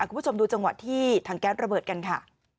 คุณผู้ชมดูจังหวะที่ถังแก๊สระเบิดกันค่ะ